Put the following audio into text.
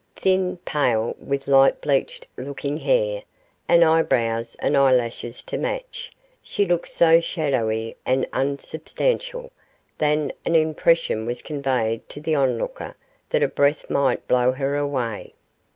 Thin, pale, with light bleached looking hair, and eyebrows and eyelashes to match, she looked so shadowy and unsubstantial, than an impression was conveyed to the onlooker that a breath might blow her away.